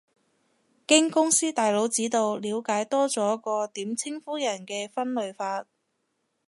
經公司大佬指導，了解多咗個點稱呼人嘅分類法